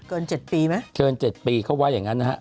๗ปีไหมเกิน๗ปีเขาว่าอย่างงั้นนะฮะ